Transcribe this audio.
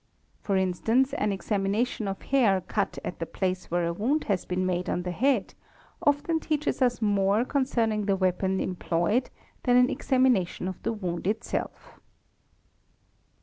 For instance an examination of hair cut at the place where a wound has been made on the head, often teaches us 'more concerning the weapon employed than an examination of the wound itself.